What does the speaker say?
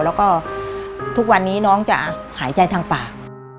แล้วก็ทุกวันนี้น้องจะหายใจทางปาก